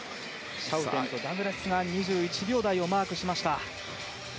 シャウテンとダグラスが２１秒台をマークしました。